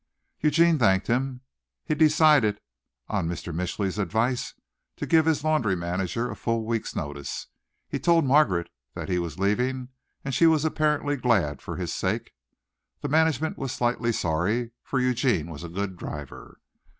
Eugene thanked him. He decided, on Mr. Mitchly's advice, to give his laundry manager a full week's notice. He told Margaret that he was leaving and she was apparently glad for his sake. The management was slightly sorry, for Eugene was a good driver.